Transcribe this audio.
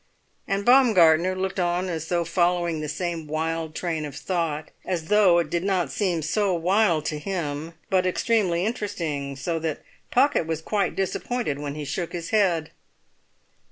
And Baumgartner looked on as though following the same wild train of thought, as though it did not seem so wild to him, but extremely interesting; so that Pocket was quite disappointed when he shook his head.